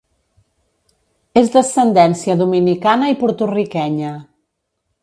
És d'ascendència dominicana i porto-riquenya.